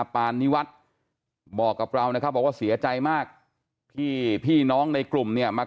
ที่หันกล้องแทบภาพใหม่แทบภาพมา